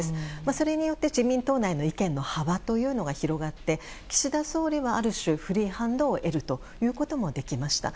それによって自民党内の意見の幅が広がって岸田総理はある種フリーハンドを得るということもできました。